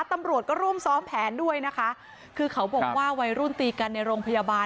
ตำรวจก็ร่วมซ้อมแผนด้วยนะคะคือเขาบอกว่าวัยรุ่นตีกันในโรงพยาบาล